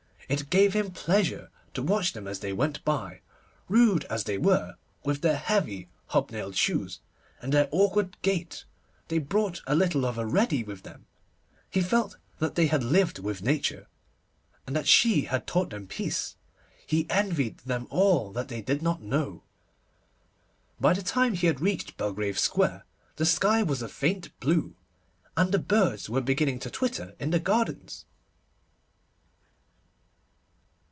It gave him pleasure to watch them as they went by. Rude as they were, with their heavy, hob nailed shoes, and their awkward gait, they brought a little of a ready with them. He felt that they had lived with Nature, and that she had taught them peace. He envied them all that they did not know. By the time he had reached Belgrave Square the sky was a faint blue, and the birds were beginning to twitter in the gardens.